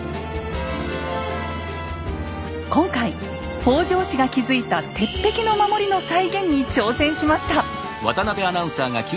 今回北条氏が築いた鉄壁の守りの再現に挑戦しました！